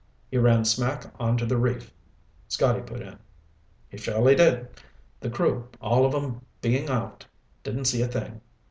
"He ran smack onto the reef," Scotty put in. "He surely did. The crew, all of 'em being aft, didn't see a thing.